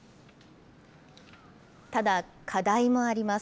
ただ、課題もあります。